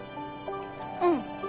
うん。